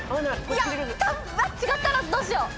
違ったらどうしよう！